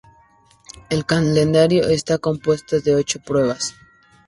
El calendario está compuesto de ocho pruebas.